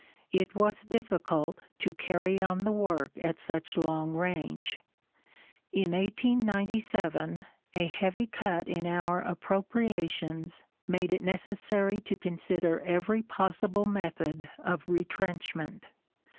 It was difficult to carry on the work at such long range. In 1897 a heavy cut in our appropriations made it necessary to consider every possible method of retrenchment.